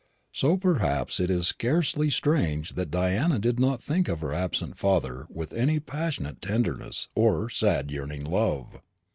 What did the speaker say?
So perhaps it is scarcely strange that Diana did not think of her absent father with any passionate tenderness or sad yearning love.